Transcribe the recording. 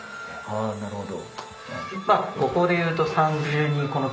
あなるほど。